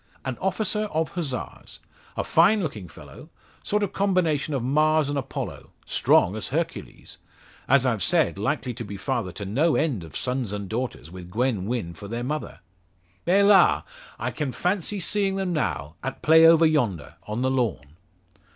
"An officer of Hussars a fine looking fellow sort of combination of Mars and Apollo; strong as Hercules! As I've said, likely to be father to no end of sons and daughters, with Gwen Wynn for their mother. Helas! I can fancy seeing them now at play over yonder, on the lawn!"